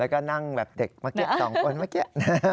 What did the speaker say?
แล้วก็นั่งแบบเด็กมาเก็บ๒คนมาเก็บ